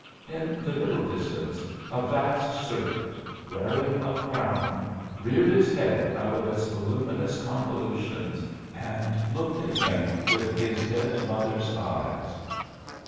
In the middle distance a vast serpent, wearing a crown, reared its head out of its voluminous convolutions and looked at him with his dead mother's eyes.